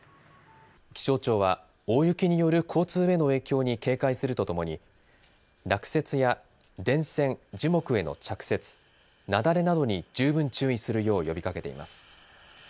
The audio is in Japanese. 気象庁は大雪による交通への影響に警戒するとともに落雪、電線や樹木への着雪雪崩などに十分注意するよう呼びかけています。